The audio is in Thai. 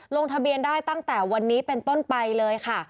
ลงทะเบียนได้ตั้งแต่วันนี้เป็นต้นไปเลยค่ะ